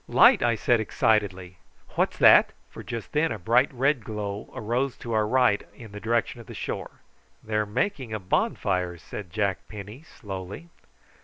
"Light!" I said excitedly. "What's that?" for just then a bright red glow arose to our right in the direction of the shore. "They're a making a bonfire," said Jack Penny slowly.